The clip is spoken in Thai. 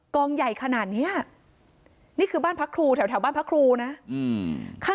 ใหญ่ขนาดนี้นี่คือบ้านพระครูแถวบ้านพระครูนะ